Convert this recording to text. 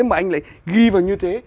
mà anh lại ghi vào như thế